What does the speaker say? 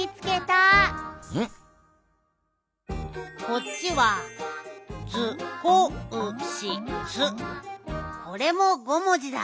こっちはこれも５もじだ。